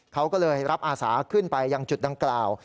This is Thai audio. เขาก็เลยรับอาสาขึ้นไปยังจุดดังกล่าว